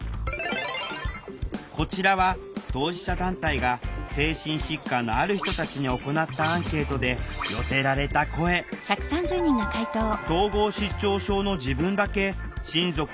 こちらは当事者団体が精神疾患のある人たちに行ったアンケートで寄せられた声断る必要ないじゃん。